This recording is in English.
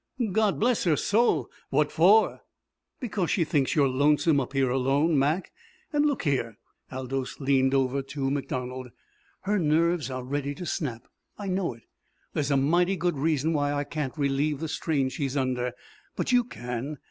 "God bless her soul what for?" "Because she thinks you're lonesome up here alone, Mac. And look here" Aldous leaned over to MacDonald "her nerves are ready to snap. I know it. There's a mighty good reason why I can't relieve the strain she is under. But you can.